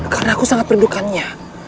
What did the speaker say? karena aku sangat merindukannya